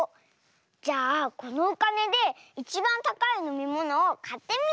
じゃあこのおかねでいちばんたかいのみものをかってみよう！